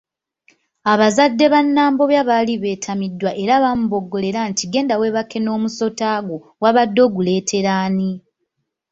Abazadde ba Nambobya baali beetamiddwa era baamuboggolera nti genda weebake n’omusota gwo wabadde oguleetera ani?